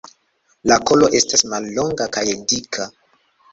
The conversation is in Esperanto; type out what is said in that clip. La kolo estas mallonga kaj dika.